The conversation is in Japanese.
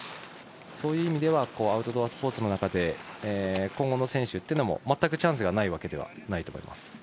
そういう意味ではアウトドアスポーツの中で今後の選手は全くチャンスがないわけではないと思います。